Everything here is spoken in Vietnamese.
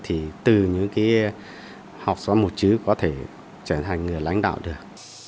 thì từ những học xóa mùa chữ có thể trở thành người lãnh đạo được